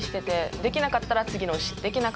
できなかったら次の牛。